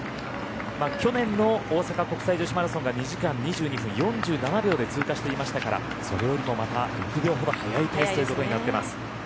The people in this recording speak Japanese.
去年の大阪国際女子マラソンが２時間２２分４７秒で通過していましたからそれよりも６秒ほど速いペースとなっています。